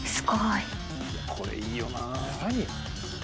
いこれいいよな。